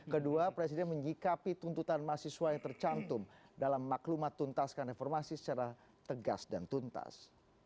kedua presiden menyikapi tuntutan mahasiswa yang tercantum dalam maklumat tuntaskan reformasi secara tegas dan tuntas